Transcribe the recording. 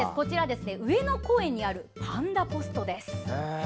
上野公園にあるパンダポストです。